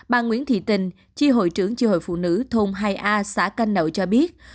bà nguyễn thị tình chi hội trưởng chi hội phụ nữ thôn hai a xã canh nậu cho biết